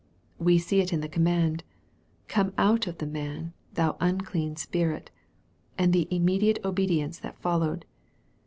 We see it in the com mand, " Come out of the man, thou unclean spirit," and the immediate obedience that followed.